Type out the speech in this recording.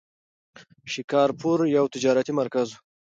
شکارپور یو تجارتي مرکز و.